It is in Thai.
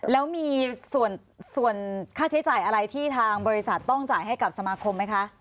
แล้วมีส่วนค่าใช้จ่ายอะไรที่ทางบริษัทต้องจ่ายให้กับสมาคมไหมคะ